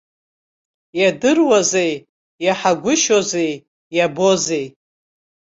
Иадыруазеи, иаҳагәышьозеи, иабозеи.